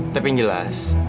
tapi yang jelas